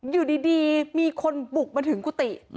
อยู่ดีมีคนบุกมาถึงกุฏิ